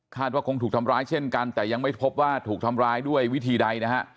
ว่าคงถูกทำร้ายเช่นกันแต่ยังไม่พบว่าถูกทำร้ายด้วยวิธีใดนะฮะ